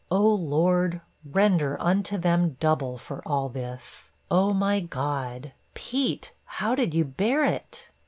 Oh Lord, "render unto them double" for all this! Oh my God! Pete, how did you bear it?'